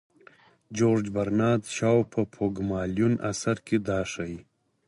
جورج برنارد شاو په پوګمالیون اثر کې دا ښيي.